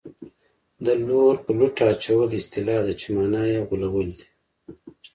د لور په لوټه اچول اصطلاح ده چې مانا یې غولول دي